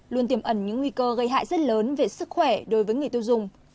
luôn tiềm ẩn những nguy cơ gây hại rất lớn về sức khỏe đối với người tiêu dùng